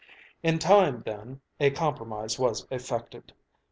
In time, then, a compromise was effected.